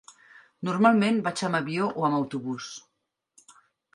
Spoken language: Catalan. Normalment vaig amb avió o amb autobús.